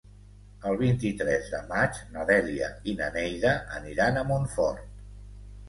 El vint-i-tres de maig na Dèlia i na Neida aniran a Montfort.